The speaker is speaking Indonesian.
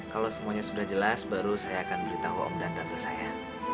kalau semuanya sudah jelas baru saya akan beritahu om dan tante saya